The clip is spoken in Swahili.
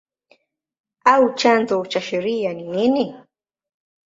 au chanzo cha sheria ni nini?